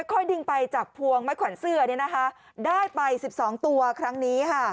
ค่อยดึงไปจากพวงไม้ขวัญเสื้อได้ไป๑๒ตัวครั้งนี้ค่ะ